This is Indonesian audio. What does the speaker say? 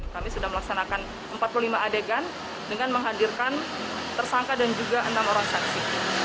kami sudah melaksanakan empat puluh lima adegan dengan menghadirkan tersangka dan juga enam orang saksi